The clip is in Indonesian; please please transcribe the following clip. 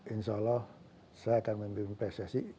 insya allah saya akan memimpin pssi